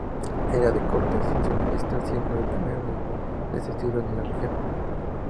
Era de corte sensacionalista, siendo el primero de este estilo en la región.